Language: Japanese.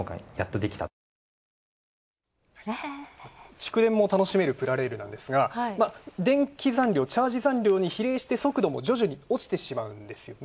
蓄電も楽しめるプラレールなんですが電気残量、チャージ残量に比例して速度も徐々に落ちてしまうんですよね。